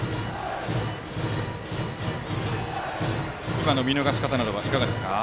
今の見逃し方はいかがですか。